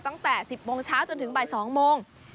ตั้งแต่๑๐โมงเช้าจนถึงบ่าย๒โมง